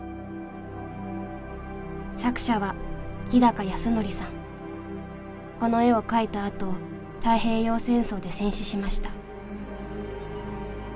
作者はこの絵を描いたあと太平洋戦争で戦死しました。